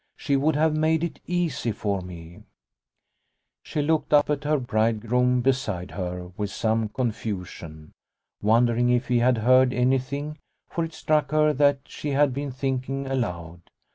She would have made it easy for me." The Bride's Dance 107 She looked up at her bridegroom beside her with some confusion, wondering if he had heard anything, for it struck her that she had been thinking aloud.